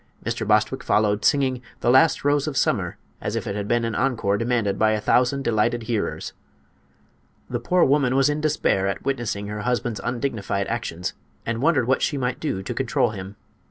Mr. Bostwick followed, singing "The Last Rose of Summer" as if it had been an encore demanded by a thousand delighted hearers. The poor woman was in despair at witnessing her husband's undignified actions and wondered what she might do to control him.